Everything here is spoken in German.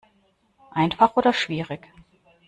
Einfach oder schwierig?